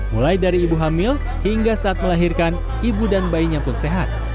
mulai dari ibu hamil hingga saat melahirkan ibu dan bayinya pun sehat